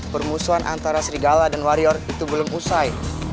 permusuhan antara serigala dan warrior itu belum usai